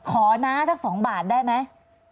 น้าสัก๒บาทได้ไหม